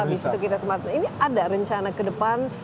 di situ kita tempat ini ada rencana ke depan